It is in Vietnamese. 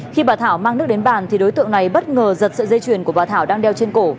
khi bà thảo mang nước đến bàn thì đối tượng này bất ngờ giật sợi dây chuyền của bà thảo đang đeo trên cổ